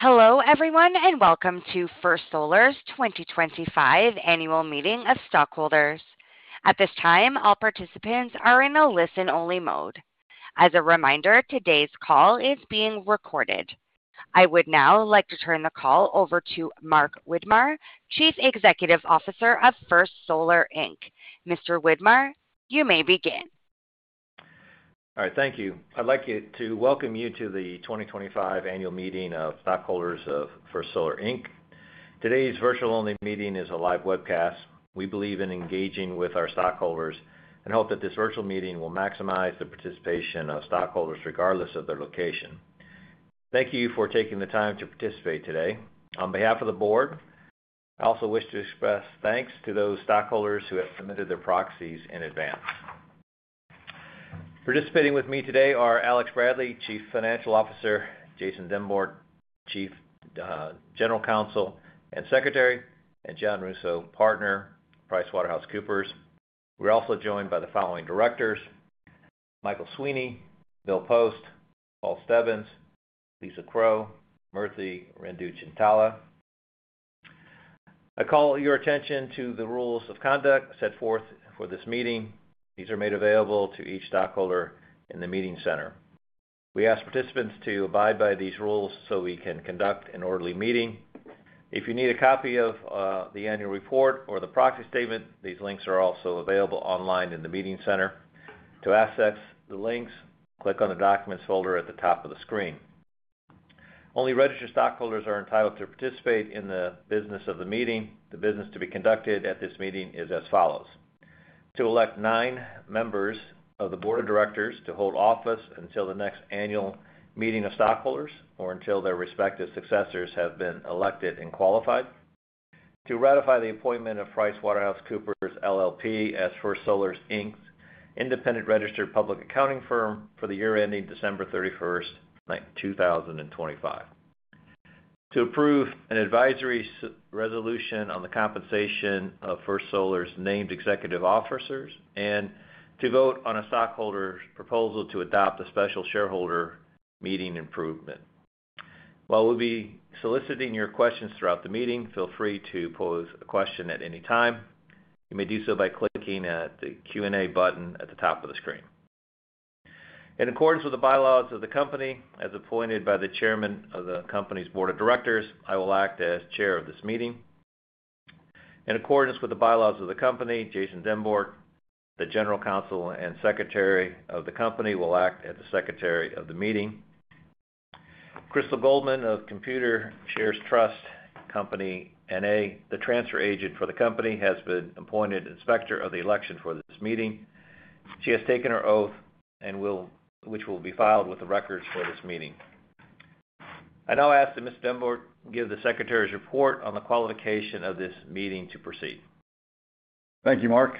Hello, everyone, and welcome to First Solar's 2025 Annual Meeting of Stockholders. At this time, all participants are in a listen-only mode. As a reminder, today's call is being recorded. I would now like to turn the call over to Mark Widmar, Chief Executive Officer of First Solar Inc. Mr. Widmar, you may begin. All right. Thank you. I'd like to welcome you to the 2025 Annual Meeting of Stockholders of First Solar. Today's virtual only meeting is a live webcast. We believe in engaging with our stockholders and hope that this virtual meeting will maximize the participation of stockholders regardless of their location. Thank you for taking the time to participate today. On behalf of the board, I also wish to express thanks to those stockholders who have submitted their proxies in advance. Participating with me today are Alex Bradley, Chief Financial Officer; Jason Dymbort, Chief General Counsel and Secretary; and John Russo, Partner, PricewaterhouseCoopers. We're also joined by the following directors: Michael Sweeney, Bill Post, Paul Stebbins, Lisa Krow, Murthy Renduchintala. I call your attention to the rules of conduct set forth for this meeting. These are made available to each stockholder in the meeting center. We ask participants to abide by these rules so we can conduct an orderly meeting. If you need a copy of the annual report or the proxy statement, these links are also available online in the meeting center. To access the links, click on the Documents folder at the top of the screen. Only registered stockholders are entitled to participate in the business of the meeting. The business to be conducted at this meeting is as follows: to elect nine members of the board of directors to hold office until the next annual meeting of stockholders or until their respective successors have been elected and qualified, to ratify the appointment of PricewaterhouseCoopers LLP as First Solar's Independent Registered Public Accounting Firm for the year ending December 31, 2025, to approve an advisory resolution on the compensation of First Solar's named executive officers, and to vote on a stockholder's proposal to adopt a special shareholder meeting improvement. While we'll be soliciting your questions throughout the meeting, feel free to pose a question at any time. You may do so by clicking the Q&A button at the top of the screen. In accordance with the bylaws of the company, as appointed by the Chairman of the company's board of directors, I will act as Chair of this meeting. In accordance with the bylaws of the company, Jason Dymbort, the General Counsel and Secretary of the company, will act as the Secretary of the meeting. Crystal Goldman of Computershare Trust Company, NA, the transfer agent for the company, has been appointed inspector of the election for this meeting. She has taken her oath, which will be filed with the records for this meeting. I now ask that Mr. Dymbort give the Secretary's report on the qualification of this meeting to proceed. Thank you, Mark.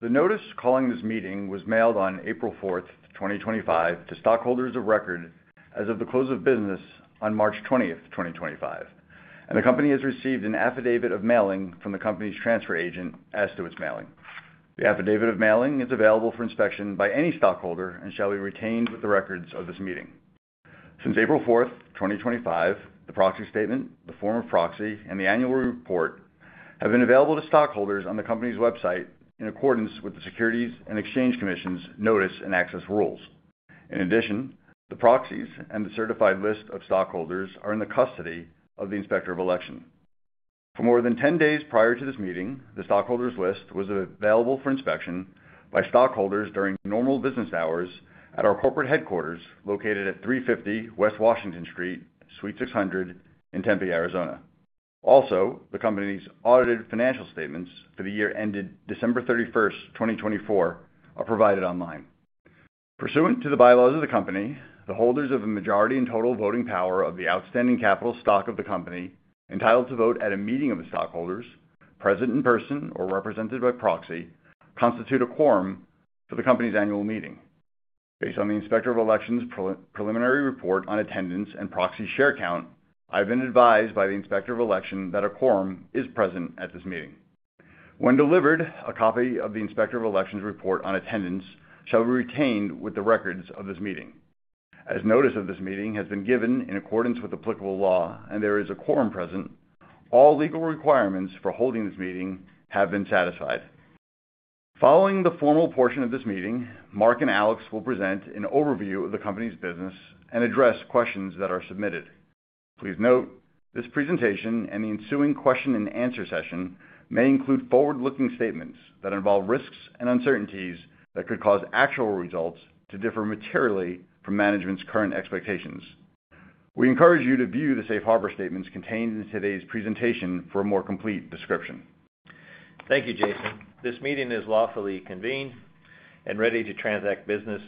The notice calling this meeting was mailed on April 4, 2025, to stockholders of record as of the close of business on March 20, 2025. The company has received an affidavit of mailing from the company's transfer agent as to its mailing. The affidavit of mailing is available for inspection by any stockholder and shall be retained with the records of this meeting. Since April 4, 2025, the proxy statement, the form of proxy, and the annual report have been available to stockholders on the company's website in accordance with the Securities and Exchange Commission's Notice and Access Rules. In addition, the proxies and the certified list of stockholders are in the custody of the inspector of election. For more than 10 days prior to this meeting, the stockholders' list was available for inspection by stockholders during normal business hours at our corporate headquarters located at 350 West Washington Street, Suite 600, in Tempe, Arizona. Also, the company's audited financial statements for the year ended December 31, 2024, are provided online. Pursuant to the bylaws of the company, the holders of the majority in total voting power of the outstanding capital stock of the company entitled to vote at a meeting of the stockholders, present in person or represented by proxy, constitute a quorum for the company's annual meeting. Based on the inspector of election's preliminary report on attendance and proxy share count, I've been advised by the inspector of election that a quorum is present at this meeting. When delivered, a copy of the inspector of election's report on attendance shall be retained with the records of this meeting. As notice of this meeting has been given in accordance with applicable law and there is a quorum present, all legal requirements for holding this meeting have been satisfied. Following the formal portion of this meeting, Mark and Alex will present an overview of the company's business and address questions that are submitted. Please note this presentation and the ensuing question and answer session may include forward-looking statements that involve risks and uncertainties that could cause actual results to differ materially from management's current expectations. We encourage you to view the safe harbor statements contained in today's presentation for a more complete description. Thank you, Jason. This meeting is lawfully convened and ready to transact business.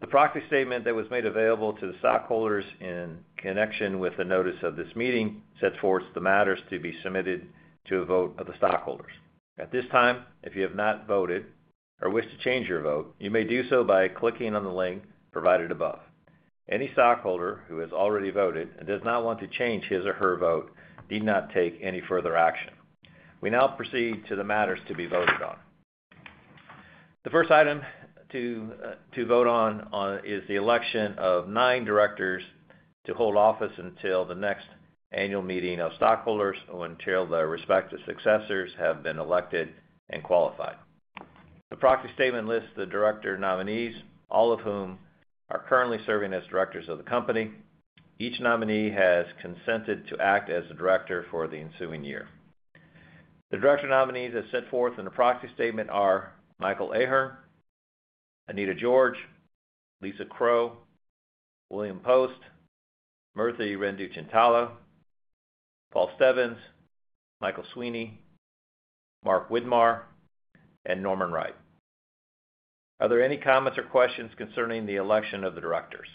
The proxy statement that was made available to the stockholders in connection with the notice of this meeting sets forth the matters to be submitted to a vote of the stockholders. At this time, if you have not voted or wish to change your vote, you may do so by clicking on the link provided above. Any stockholder who has already voted and does not want to change his or her vote need not take any further action. We now proceed to the matters to be voted on. The first item to vote on is the election of nine directors to hold office until the next annual meeting of stockholders when their respective successors have been elected and qualified. The proxy statement lists the director nominees, all of whom are currently serving as directors of the company. Each nominee has consented to act as the director for the ensuing year. The director nominees as set forth in the proxy statement are Michael Ahern, Anita George, Lisa Krow, William Post, Murthy Renduchintala, Paul Stebbins, Michael Sweeney, Mark Widmar, and Norman Wright. Are there any comments or questions concerning the election of the directors?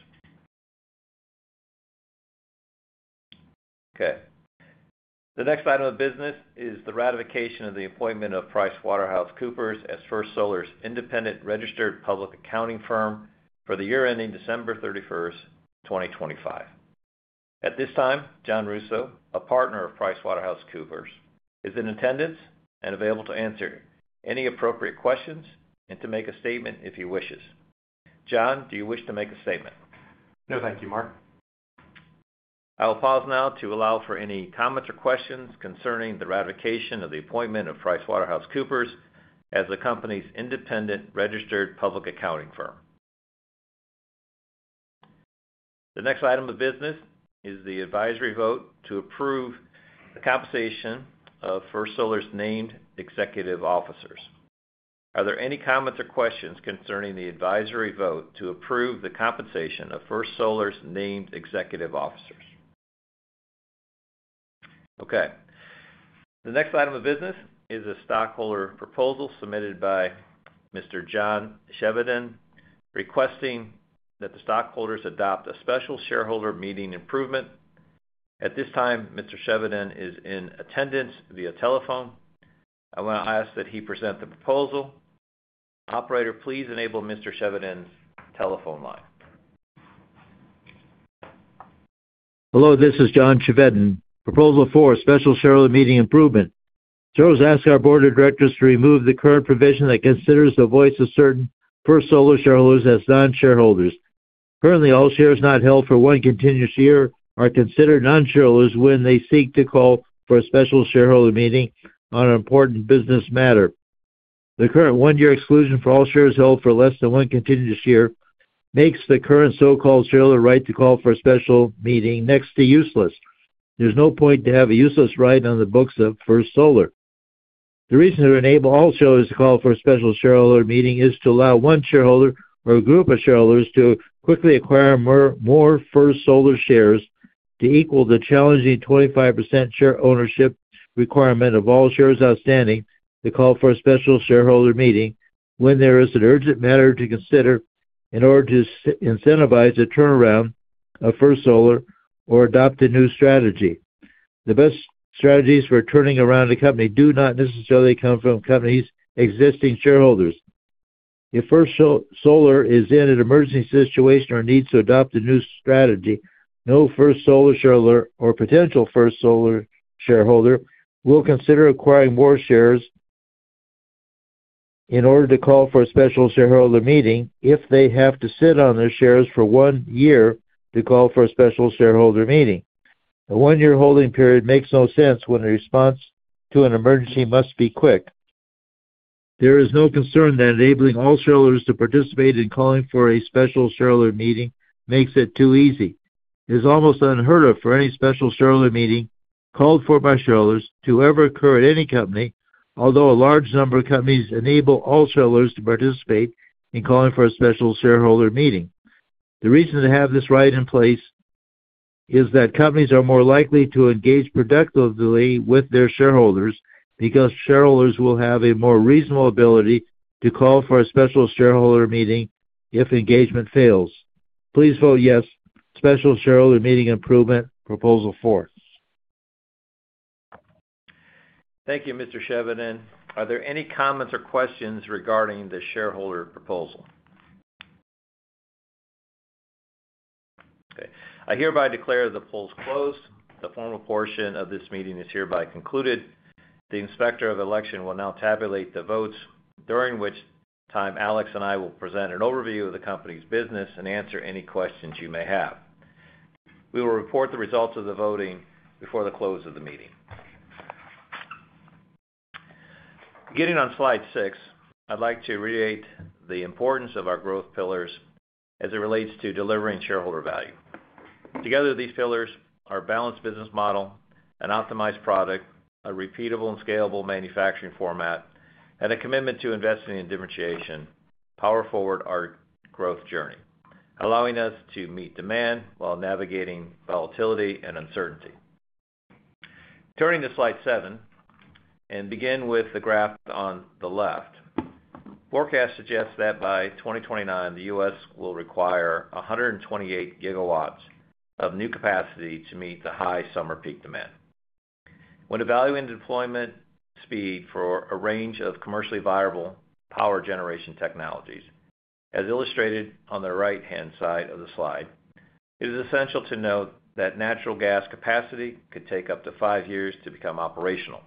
Okay. The next item of business is the ratification of the appointment of PricewaterhouseCoopers as First Solar's Independent Registered Public Accounting Firm for the year ending December 31, 2025. At this time, John Russo, a partner of PricewaterhouseCoopers, is in attendance and available to answer any appropriate questions and to make a statement if he wishes. John, do you wish to make a statement? No, thank you, Mark. I'll pause now to allow for any comments or questions concerning the ratification of the appointment of PricewaterhouseCoopers as the company's Independent Registered Public Accounting Firm. The next item of business is the advisory vote to approve the compensation of First Solar's named executive officers. Are there any comments or questions concerning the advisory vote to approve the compensation of First Solar's named executive officers? Okay. The next item of business is a stockholder proposal submitted by Mr. John Chevedden requesting that the stockholders adopt a special shareholder meeting improvement. At this time, Mr. Chevedden is in attendance via telephone. I want to ask that he present the proposal. Operator, please enable Mr. Chevedden's telephone line. Hello, this is John Chevedden. Proposal for a special shareholder meeting improvement. Sole ask our board of directors to remove the current provision that considers the voice of certain First Solar shareholders as non-shareholders. Currently, all shares not held for one continuous year are considered non-shareholders when they seek to call for a special shareholder meeting on an important business matter. The current one-year exclusion for all shares held for less than one continuous year makes the current so-called shareholder right to call for a special meeting next to useless. There's no point to have a useless right on the books of First Solar. The reason to enable all shareholders to call for a special shareholder meeting is to allow one shareholder or a group of shareholders to quickly acquire more First Solar shares to equal the challenging 25% share ownership requirement of all shares outstanding to call for a special shareholder meeting when there is an urgent matter to consider in order to incentivize a turnaround of First Solar or adopt a new strategy. The best strategies for turning around a company do not necessarily come from a company's existing shareholders. If First Solar is in an emergency situation or needs to adopt a new strategy, no First Solar shareholder or potential First Solar shareholder will consider acquiring more shares in order to call for a special shareholder meeting if they have to sit on their shares for one year to call for a special shareholder meeting. A one-year holding period makes no sense when a response to an emergency must be quick. There is no concern that enabling all shareholders to participate in calling for a special shareholder meeting makes it too easy. It is almost unheard of for any special shareholder meeting called for by shareholders to ever occur at any company, although a large number of companies enable all shareholders to participate in calling for a special shareholder meeting. The reason to have this right in place is that companies are more likely to engage productively with their shareholders because shareholders will have a more reasonable ability to call for a special shareholder meeting if engagement fails. Please vote yes, special shareholder meeting improvement proposal four. Thank you, Mr. Chevedden. Are there any comments or questions regarding the shareholder proposal? Okay. I hereby declare the polls closed. The formal portion of this meeting is hereby concluded. The inspector of election will now tabulate the votes, during which time Alex and I will present an overview of the company's business and answer any questions you may have. We will report the results of the voting before the close of the meeting. Getting on slide 6, I'd like to reiterate the importance of our growth pillars as it relates to delivering shareholder value. Together, these pillars are a balanced business model, an optimized product, a repeatable and scalable manufacturing format, and a commitment to investing in differentiation power forward our growth journey, allowing us to meet demand while navigating volatility and uncertainty. Turning to slide 7 and begin with the graph on the left. Forecast suggests that by 2029, the U.S. will require 128 GW of new capacity to meet the high summer peak demand. When evaluating deployment speed for a range of commercially viable power generation technologies, as illustrated on the right-hand side of the slide, it is essential to note that natural gas capacity could take up to five years to become operational.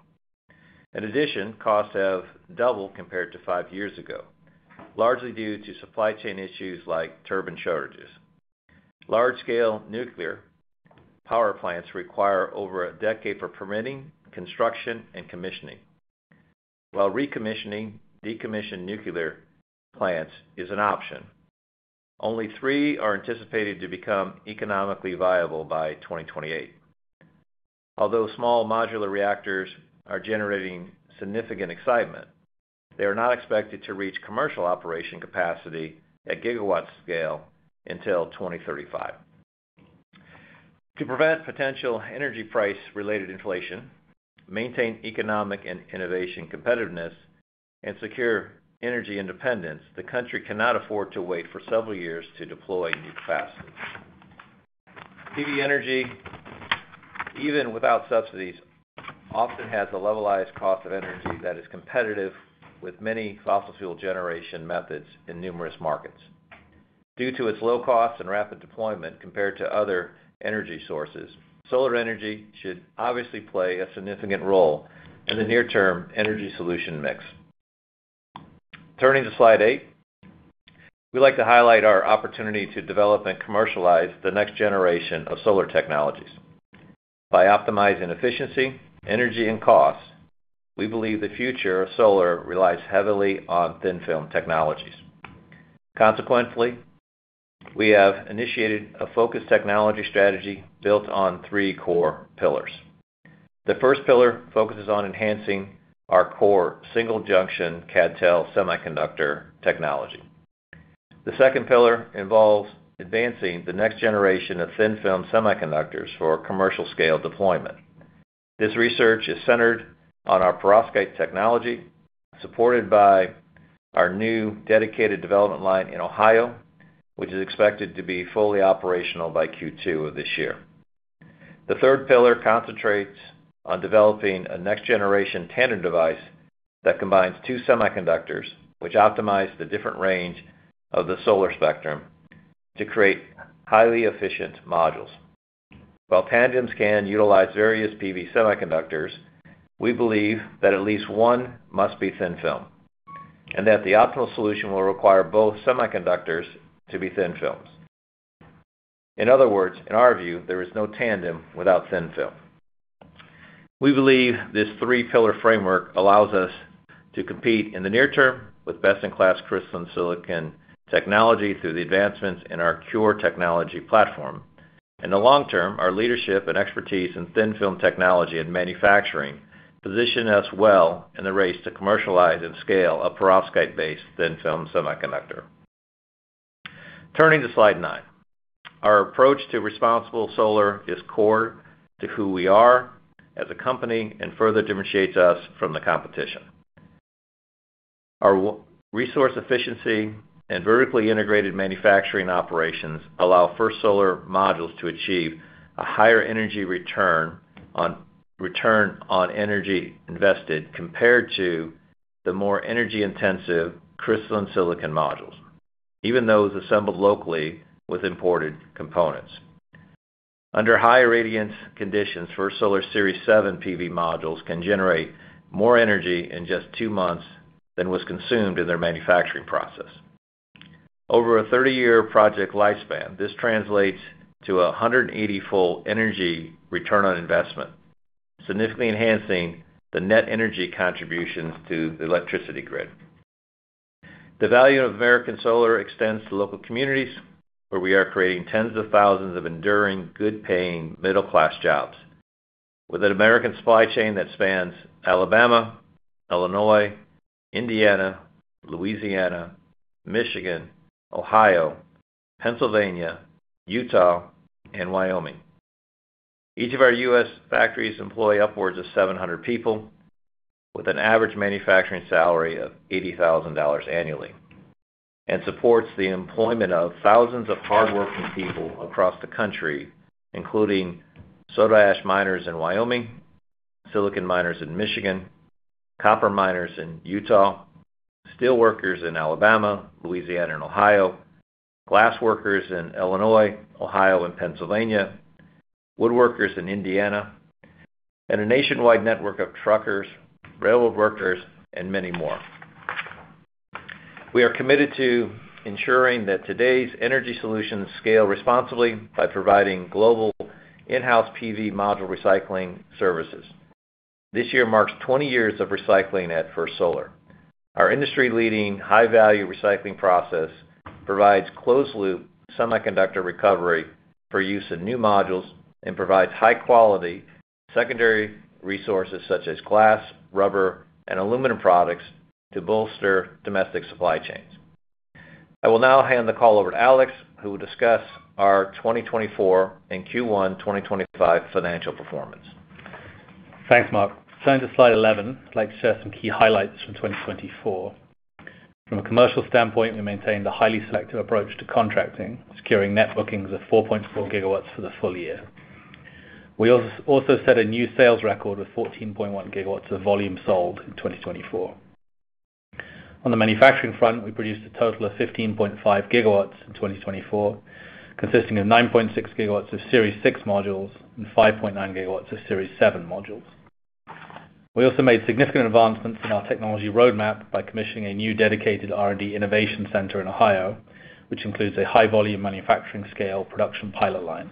In addition, costs have doubled compared to five years ago, largely due to supply chain issues like turbine shortages. Large-scale nuclear power plants require over a decade for permitting, construction, and commissioning, while recommissioning, decommissioning nuclear plants is an option. Only three are anticipated to become economically viable by 2028. Although small modular reactors are generating significant excitement, they are not expected to reach commercial operation capacity at GW scale until 2035. To prevent potential energy price-related inflation, maintain economic and innovation competitiveness, and secure energy independence, the country cannot afford to wait for several years to deploy new capacity. PV energy, even without subsidies, often has a levelized cost of energy that is competitive with many fossil fuel generation methods in numerous markets. Due to its low cost and rapid deployment compared to other energy sources, solar energy should obviously play a significant role in the near-term energy solution mix. Turning to slide 8, we would like to highlight our opportunity to develop and commercialize the next generation of solar technologies. By optimizing efficiency, energy, and cost, we believe the future of solar relies heavily on thin film technologies. Consequently, we have initiated a focused technology strategy built on three core pillars. The first pillar focuses on enhancing our core single junction CdTe semiconductor technology. The second pillar involves advancing the next generation of thin film semiconductors for commercial-scale deployment. This research is centered on our perovskite technology, supported by our new dedicated development line in Ohio, which is expected to be fully operational by Q2 of this year. The third pillar concentrates on developing a next-generation tandem device that combines two semiconductors, which optimize the different range of the solar spectrum to create highly efficient modules. While tandems can utilize various PV semiconductors, we believe that at least one must be thin film and that the optimal solution will require both semiconductors to be thin films. In other words, in our view, there is no tandem without thin film. We believe this three-pillar framework allows us to compete in the near term with best-in-class crystalline silicon technology through the advancements in our CURE technology platform. In the long term, our leadership and expertise in thin film technology and manufacturing position us well in the race to commercialize and scale a perovskite-based thin film semiconductor. Turning to slide 9, our approach to responsible solar is core to who we are as a company and further differentiates us from the competition. Our resource efficiency and vertically integrated manufacturing operations allow First Solar modules to achieve a higher energy return on energy invested compared to the more energy-intensive crystalline silicon modules, even those assembled locally with imported components. Under higher radiance conditions, First Solar Series 7 PV modules can generate more energy in just two months than was consumed in their manufacturing process. Over a 30-year project lifespan, this translates to a 180-fold energy return on investment, significantly enhancing the net energy contributions to the electricity grid. The value of American solar extends to local communities where we are creating tens of thousands of enduring, good-paying middle-class jobs, with an American supply chain that spans Alabama, Illinois, Indiana, Louisiana, Michigan, Ohio, Pennsylvania, Utah, and Wyoming. Each of our U.S. factories employs upwards of 700 people, with an average manufacturing salary of $80,000 annually, and supports the employment of thousands of hardworking people across the country, including soda ash miners in Wyoming, silicon miners in Michigan, copper miners in Utah, steel workers in Alabama, Louisiana, and Ohio, glass workers in Illinois, Ohio, and Pennsylvania, woodworkers in Indiana, and a nationwide network of truckers, railroad workers, and many more. We are committed to ensuring that today's energy solutions scale responsibly by providing global in-house PV module recycling services. This year marks 20 years of recycling at First Solar. Our industry-leading high-value recycling process provides closed-loop semiconductor recovery for use in new modules and provides high-quality secondary resources such as glass, rubber, and aluminum products to bolster domestic supply chains. I will now hand the call over to Alex, who will discuss our 2024 and Q1 2025 financial performance. Thanks, Mark. Turning to slide 11, I'd like to share some key highlights from 2024. From a commercial standpoint, we maintained a highly selective approach to contracting, securing net bookings of 4.4 GW for the full year. We also set a new sales record with 14.1 GW of volume sold in 2024. On the manufacturing front, we produced a total of 15.5 GW in 2024, consisting of 9.6 GW of Series 6 modules and 5.9 GW of Series 7 modules. We also made significant advancements in our technology roadmap by commissioning a new dedicated R&D innovation center in Ohio, which includes a high-volume manufacturing-scale production pilot line.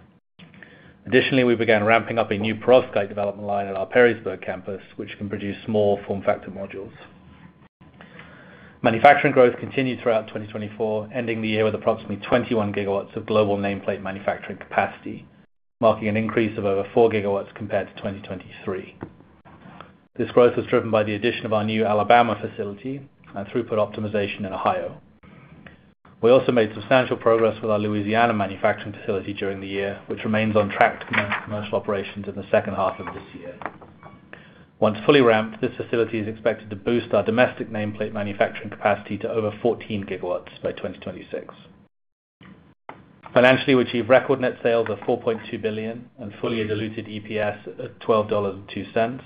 Additionally, we began ramping up a new perovskite development line at our Perrysburg campus, which can produce small form factor modules. Manufacturing growth continued throughout 2024, ending the year with approximately 21 GW of global nameplate manufacturing capacity, marking an increase of over 4 GW compared to 2023. This growth was driven by the addition of our new Alabama facility and throughput optimization in Ohio. We also made substantial progress with our Louisiana manufacturing facility during the year, which remains on track to commence commercial operations in the second half of this year. Once fully ramped, this facility is expected to boost our domestic nameplate manufacturing capacity to over 14 GW by 2026. Financially, we achieved record net sales of $4.2 billion and fully diluted EPS of $12.02,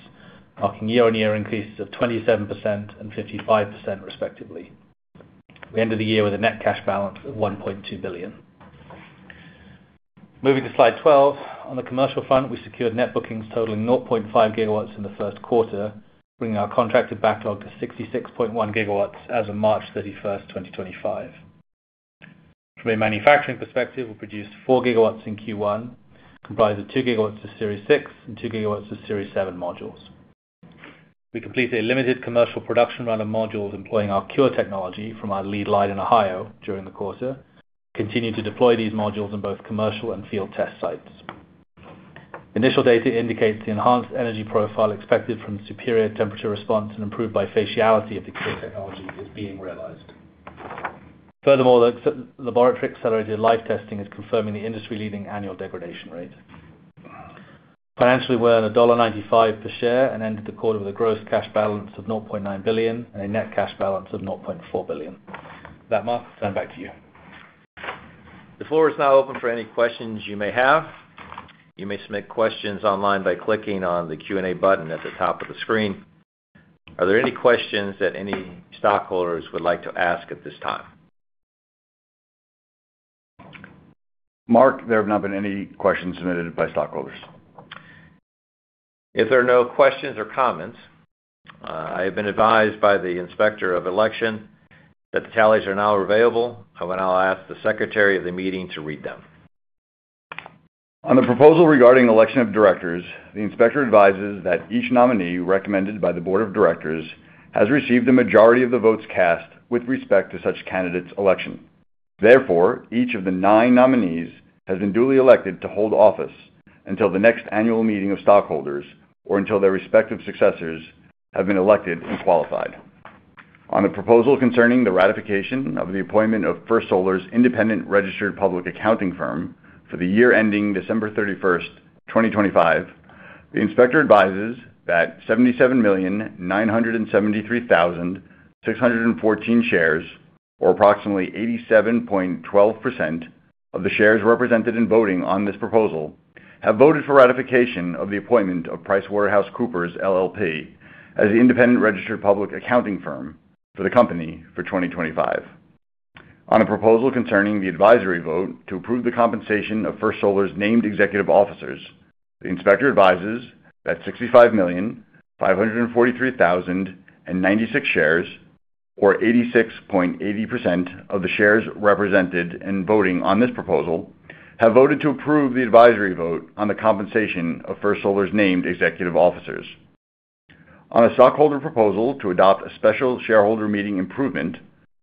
marking year-on-year increases of 27% and 55%, respectively. We ended the year with a net cash balance of $1.2 billion. Moving to slide 12, on the commercial front, we secured net bookings totaling 0.5 GW in the first quarter, bringing our contracted backlog to 66.1 GW as of March 31, 2025. From a manufacturing perspective, we produced 4 GW in Q1, comprised of 2 GW of Series 6 and 2 GW of Series 7 modules. We completed a limited commercial production run of modules employing our CURE technology from our lead line in Ohio during the quarter, continuing to deploy these modules in both commercial and field test sites. Initial data indicate the enhanced energy profile expected from superior temperature response and improved bifaciality of the CURE technology is being realized. Furthermore, the laboratory-accelerated live testing is confirming the industry-leading annual degradation rate. Financially, we're at $1.95 per share and ended the quarter with a gross cash balance of $0.9 billion and a net cash balance of $0.4 billion. With that, Mark, I'll turn back to you. The floor is now open for any questions you may have. You may submit questions online by clicking on the Q&A button at the top of the screen. Are there any questions that any stockholders would like to ask at this time? Mark, there have not been any questions submitted by stockholders. If there are no questions or comments, I have been advised by the inspector of election that the tallies are now available. I will now ask the Secretary of the meeting to read them. On the proposal regarding election of directors, the inspector advises that each nominee recommended by the board of directors has received the majority of the votes cast with respect to such candidates' election. Therefore, each of the nine nominees has been duly elected to hold office until the next annual meeting of stockholders or until their respective successors have been elected and qualified. On the proposal concerning the ratification of the appointment of First Solar's independent registered public accounting firm for the year ending December 31, 2025, the inspector advises that 77,973,614 shares, or approximately 87.12% of the shares represented in voting on this proposal, have voted for ratification of the appointment of PricewaterhouseCoopers LLP as the independent registered public accounting firm for the company for 2025. On the proposal concerning the advisory vote to approve the compensation of First Solar's named executive officers, the inspector advises that 65,543,096 shares, or 86.80% of the shares represented in voting on this proposal, have voted to approve the advisory vote on the compensation of First Solar's named executive officers. On a stockholder proposal to adopt a special shareholder meeting improvement,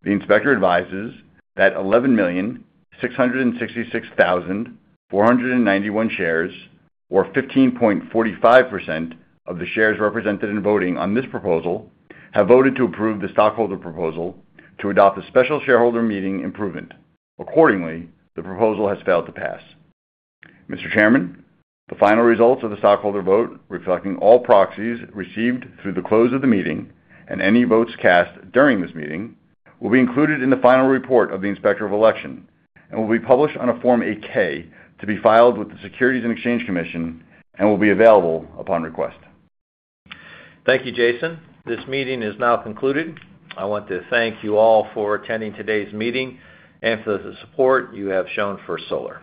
the inspector advises that 11,666,491 shares, or 15.45% of the shares represented in voting on this proposal, have voted to approve the stockholder proposal to adopt a special shareholder meeting improvement. Accordingly, the proposal has failed to pass. Mr. Chairman, the final results of the stockholder vote, reflecting all proxies received through the close of the meeting and any votes cast during this meeting, will be included in the final report of the inspector of election and will be published on a Form 8-K to be filed with the Securities and Exchange Commission and will be available upon request. Thank you, Jason. This meeting is now concluded. I want to thank you all for attending today's meeting and for the support you have shown First Solar.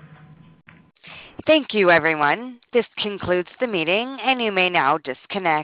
Thank you, everyone. This concludes the meeting, and you may now disconnect.